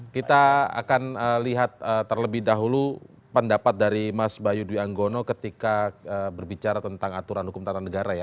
kita akan lihat terlebih dahulu pendapat dari mas bayu dwi anggono ketika berbicara tentang aturan hukum tata negara ya